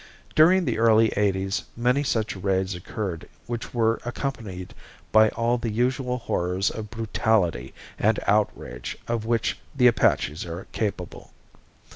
During the early eighties many such raids occurred which were accompanied by all the usual horrors of brutality and outrage of which the Apaches are capable.